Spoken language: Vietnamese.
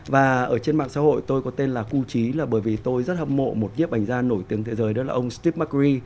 và ở trên mạng xã hội tôi có tên là phu trí là bởi vì tôi rất hâm mộ một nhiếp ảnh gia nổi tiếng thế giới đó là ông stepmacri